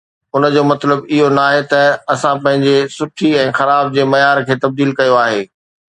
ان جو مطلب اهو ناهي ته اسان پنهنجي سٺي ۽ خراب جي معيار کي تبديل ڪيو آهي.